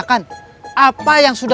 kita enggak ambil targetnya